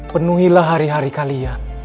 penuhilah hari hari kalian